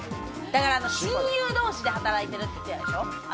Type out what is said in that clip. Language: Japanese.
親友同士で働いてるって言ってたでしょ。